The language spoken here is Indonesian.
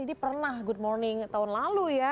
jadi pernah good morning tahun lalu ya